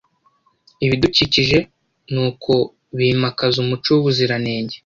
ibidukikije nuko bimakaza umuco w’ubuziranenge